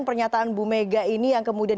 pernyataan bu mega ini yang kemudian